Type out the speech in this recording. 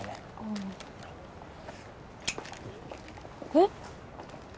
えっ？